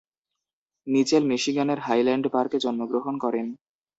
Mitchell মিশিগানের Highland পার্কে জন্মগ্রহণ করেন।